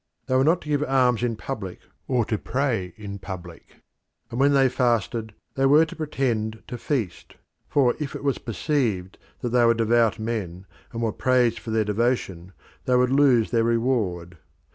They were not to give alms in public or to pray in public, and when they fasted, they were to pretend to feast; for if it was perceived that they were devout men and were praised for their devotion, they would lose their reward.